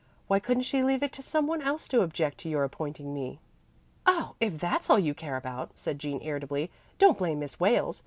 Why couldn't she leave it to some one else to object to your appointing me?" "Oh, if that's all you care about," said Jean irritably, "don't blame Miss Wales.